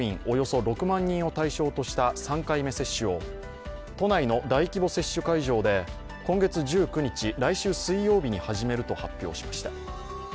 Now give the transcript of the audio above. およそ６万人を対象とした３回目接種を都内の大規模接種会場で今月１９日、来週水曜日に始めると発表しました。